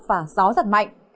và gió giật mạnh